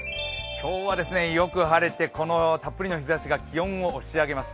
今日はよく晴れて、このたっぷりの日差しが気温を押し上げます。